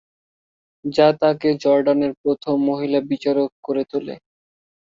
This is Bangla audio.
যা তাকে জর্ডানের প্রথম মহিলা বিচারক করে তোলে।